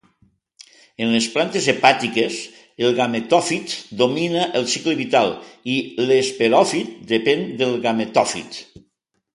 En les plantes hepàtiques, el gametòfit domina el cicle vital i l"esporòfit depèn del gametòfit.